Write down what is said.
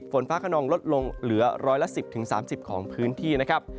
ฝนฟ้าขนองลดลงเหลือร้อยละ๑๐๓๐ของพื้นที่นะครับ